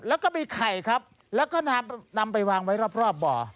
แล้วก็มีไข่ครับแล้วก็นำไปวางไว้รอบบ่อ